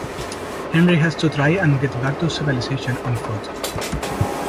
Henri has to try and get back to civilization on foot.